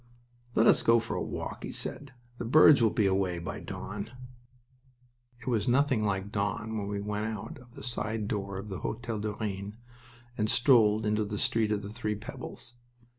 "Let us go for a walk," he said. "The birds will be away by dawn." It was nothing like dawn when we went out of the side door of the Hotel du Rhin and strolled into the Street of the Three Pebbles.